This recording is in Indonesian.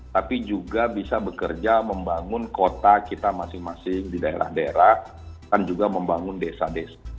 tapi juga bisa bekerja membangun kota kita masing masing di daerah daerah dan juga membangun desa desa